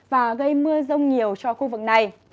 và gây mưa rông nhiều cho khu vực này